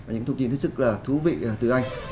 những thông tin rất là thú vị từ anh